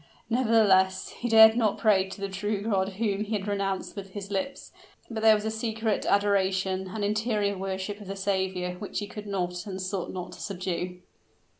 Nevertheless, he dared not pray to the True God whom he had renounced with his lips; but there was a secret adoration, an interior worship of the Saviour, which he could not and sought not to subdue.